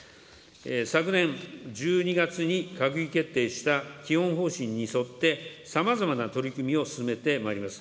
昨年１２月に閣議決定した基本方針に沿って、さまざまな取り組みを進めてまいります。